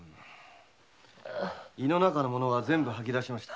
胃の中の物は全部吐き出しました。